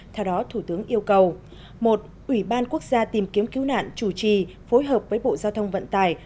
theo đó thủ tướng yêu cầu một ủy ban quốc gia tìm kiếm cứu nạn chủ trì phối hợp với bộ giao thông vận tải